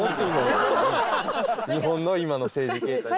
日本の今の政治経済。